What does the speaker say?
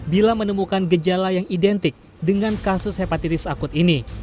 bila menemukan gejala yang identik dengan kasus hepatitis akut ini